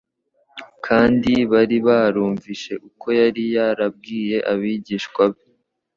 kandi bari barumvise uko yari yarabwiye abigishwa be.